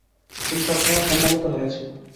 তিনি সবসময় সম্মানিত হয়েছেন।